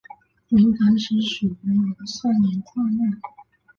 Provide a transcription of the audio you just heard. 明矾石属于硫酸盐矿物。